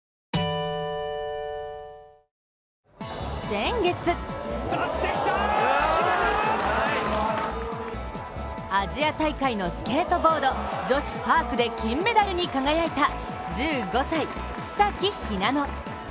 先月アジア大会のスケートボード女子パークで金メダルに輝いた１５歳、草木ひなの。